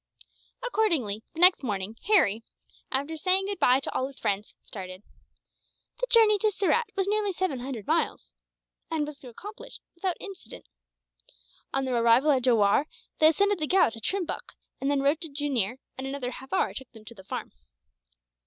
Accordingly the next morning Harry, after saying goodbye to all his friends, started. The journey to Surat was nearly seven hundred miles, and was accomplished without incident. On their arrival at Jowaur, they ascended the Ghaut to Trimbuck, and then rode to Jooneer, and another half hour took them to the farm.